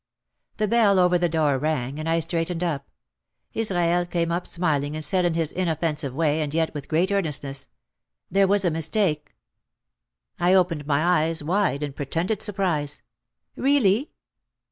The bell over the door rang and I straightened up. Israel came up smiling and said in his inoffensive way and yet with great earnestness, "There was a mistake." I opened my eyes wide in pretended surprise. "Really?"